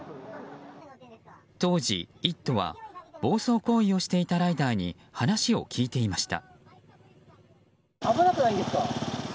当時「イット！」は暴走行為をしていたライダーに話を聞いていました。